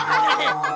eh bangun bangun